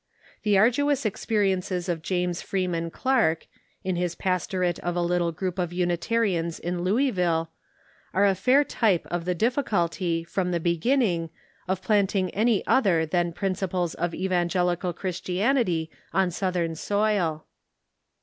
The arduous experiences of James Freeman Clarke, in his pastorate of a little group of I'^nitarians in Louisville, are a fair type of the difliculty, from the beginning, of plant ing any other than principles of Evangelical Christianity on Southern soil.